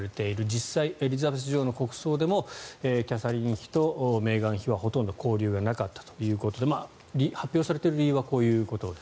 実際、エリザベス女王の国葬でもキャサリン妃とメーガン妃はほとんど交流がなかったということで発表されている理由はこういうことです。